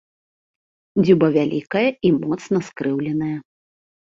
Дзюба вялікая і моцна скрыўленая.